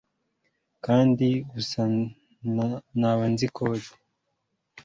kandi gusa naba nzi code